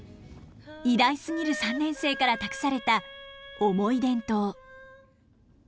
偉大すぎる３年生から託された重い伝統。